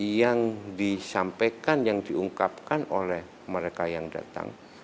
yang disampaikan yang diungkapkan oleh mereka yang datang